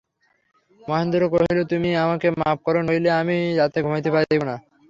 মহেন্দ্র কহিল, তুমিও আমাকে মাপ করো, নহিলে আমি রাত্রে ঘুমাইতে পারিব না।